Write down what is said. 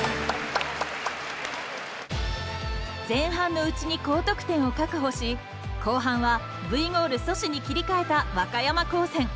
前半のうちに高得点を確保し後半はＶゴール阻止に切り替えた和歌山高専。